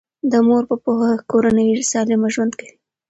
د مور په پوهه کورنۍ سالم ژوند کوي.